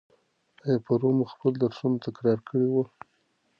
آیا پرون مو خپل درسونه تکرار کړي وو؟